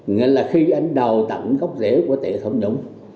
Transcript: nghĩa là khi anh đào tặng góc rễ của tệ tham nhũng